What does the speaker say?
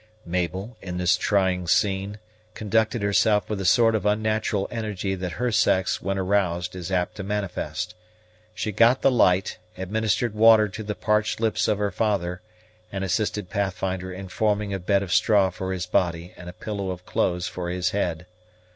Mabel, in this trying scene, conducted herself with the sort of unnatural energy that her sex, when aroused, is apt to manifest. She got the light, administered water to the parched lips of her father, and assisted Pathfinder in forming a bed of straw for his body and a pillow of clothes for his head.